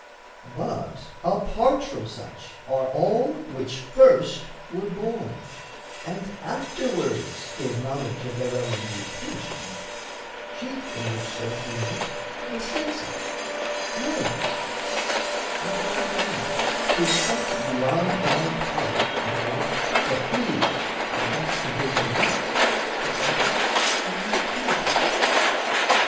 But apart from such Are all which first were born and afterwards Gave knowledge of their own utility Chief in which sort we note the senses, limbs: Wherefore, again, 'tis quite beyond thy power To hold that these could thus have been create For office of utility.